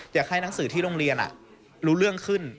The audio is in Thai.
อยากให้หนังสือที่โรงเรียนรู้เรื่องขึ้น